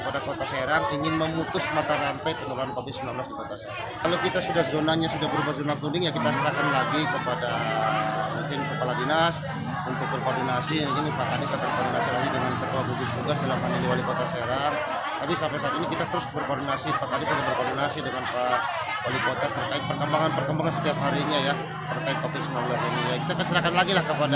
kita akan serahkan lagi lah kepada gugus tugas dalam hal ini wali kota serang